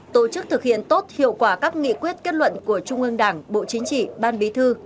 tổ chức thực hiện tốt hiệu quả các nghị quyết kết luận của trung ương đảng bộ chính trị ban bí thư